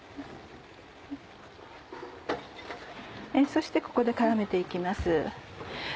そしてここで絡めて行きます。